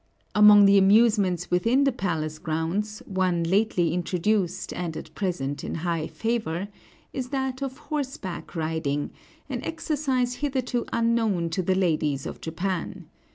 Among the amusements within the palace grounds, one lately introduced, and at present in high favor, is that of horseback riding, an exercise hitherto unknown to the ladies of Japan.